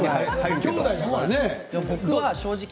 きょうだいだからね。